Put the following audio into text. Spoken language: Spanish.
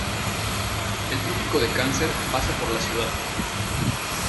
El trópico de Cáncer pasa por la ciudad.